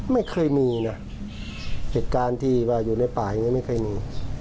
ไม่เคยมีนะเหตุการณ์ที่ว่าอยู่ในป่าอย่างนี้ไม่เคยมี